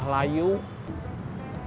kamu sama prita udah layu